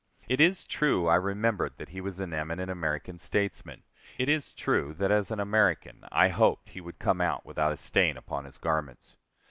It is true I remembered that he was an eminent American statesman. It is true that as an American I hoped he would come out without a stain upon his garments.